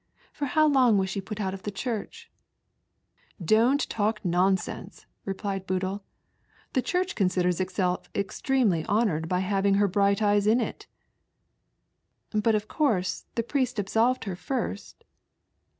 For how long was she pat ont of the Church ?" "Don't talk nonsense," replied Boodle, "the Church considers itself extremely honoured by having her bright eyes in it." " But of course the priest absolved her first